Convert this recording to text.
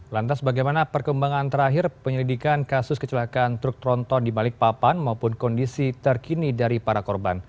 lantas bagaimana perkembangan terakhir penyelidikan kasus kecelakaan truk tronton di balikpapan maupun kondisi terkini dari para korban